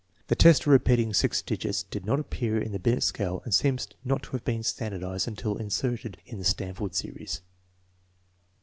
The test of repeating six digits did not appear in the Binet scale and seems not to have been standardized until inserted in the Stanford series.